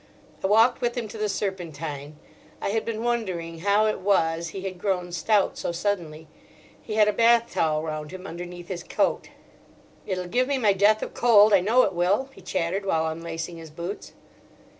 I walked with him to the Serpentine. I had been wondering how it was he had grown stout so suddenly. He had a bath towel round him underneath his coat. "It'll give me my death of cold, I know it will," he chattered while unlacing his boots.